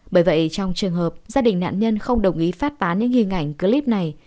bởi vậy trong trường hợp gia đình nạn nhân không đồng ý phát tán những hình ảnh clip này